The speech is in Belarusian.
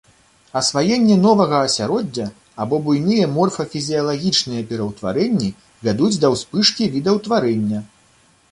Асваенне новага асяроддзя або буйныя морфафізіялагічныя пераўтварэнні вядуць да ўспышкі відаўтварэння.